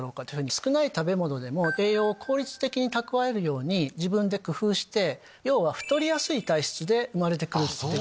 少ない食べ物でも栄養を効率的に蓄えるように自分で工夫して太りやすい体質で生まれて来る。